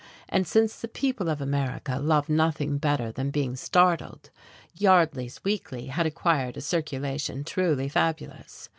And since the people of America love nothing better than being startled, Yardley's Weekly had acquired a circulation truly fabulous.